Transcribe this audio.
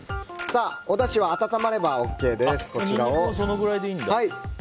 おだしは温まればＯＫです。